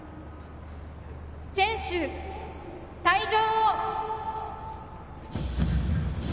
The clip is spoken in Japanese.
選手、退場！